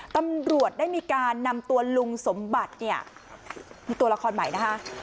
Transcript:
ตำรวจได้มีการนำตัวลุงสมบัติเนี่ยมีตัวละครใหม่นะคะ